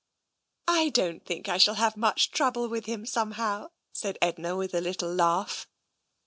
" I don't think I shall have much trouble with him, somehow," said Edna, with a little laugh.